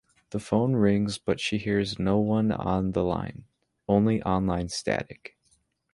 The phone rings but she hears no one on the line, only online static.